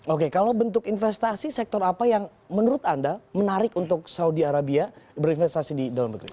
oke kalau bentuk investasi sektor apa yang menurut anda menarik untuk saudi arabia berinvestasi di dalam negeri